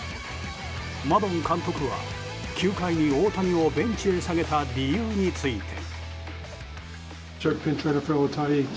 マドン監督は、９回に大谷をベンチに下げた理由について。